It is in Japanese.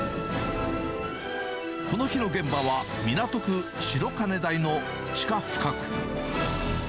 この日の現場は、港区白金台の地下深く。